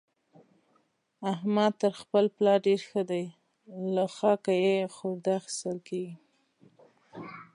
احمد تر خپل پلار ډېر ښه دی؛ له خاکه يې خورده اخېستل کېږي.